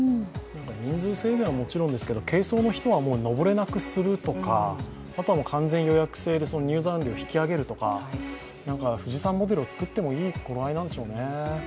人数制限はもちろんですが、軽装の人は登れなくするとか、完全予約制で入山料を引き上げるとか富士山モデルを作ってもいい頃合いなんでしょうね。